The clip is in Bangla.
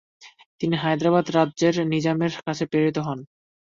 তিনি হায়দ্রাবাদ রাজ্যের নিজামের কাছে প্রেরিত হন।